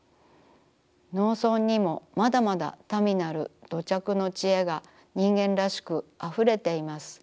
農村にもまだまだ民なる土着の知恵が人間らしくあふれています。